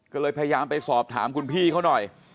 ก็เลยพยายามไปสอบถามคุณพี่เขาหน่อย